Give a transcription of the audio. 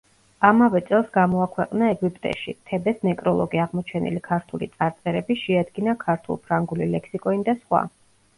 ამავე წელს გამოაქვეყნა ეგვიპტეში, თებეს ნეკროლოგი აღმოჩენილი ქართული წარწერები, შეადგინა ქართულ-ფრანგული ლექსიკონი და სხვა.